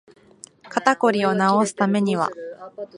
肩こりを治すためには